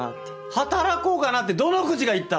「働こうかなぁ」ってどの口が言った？